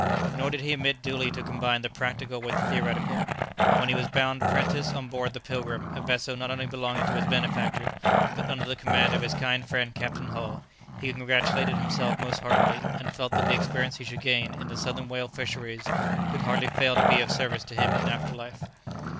Nor did he omit duly to combine the practical with the theoretical; and when he was bound apprentice on board the "Pilgrim," a vessel not only belonging to his benefactor, but under the command of his kind friend Captain Hull, he congratulated himself most heartily, and felt that the experience he should gain in the southern whale fisheries could hardly fail to be of service to him in after life.